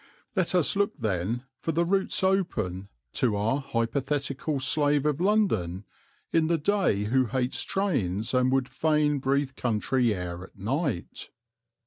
Let us look then for the routes open to our hypothetical slave of London in the day who hates trains and would fain breathe country air at night.